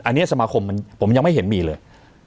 อันนี้สมาคมผมยังไม่เห็นมีเลย